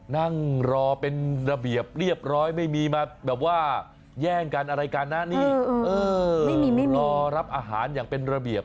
นั่งรอเป็นระเบียบเรียบร้อยนั่งรอรับอาหารอย่างเป็นระเบียบ